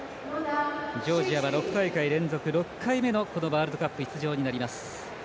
ジョージアは６大会連続６回目のワールドカップ出場になります。